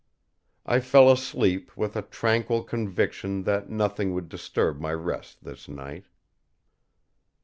I fell asleep with a tranquil conviction that nothing would disturb my rest this night.